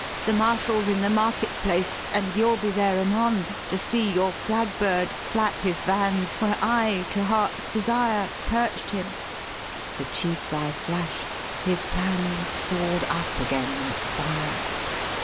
The Marshal's in the market place, And you'll be there anon To see your flag bird flap his vans Where I, to heart's desire, Perched him!' The chief's eye flashed; his plans Soared up again like fire.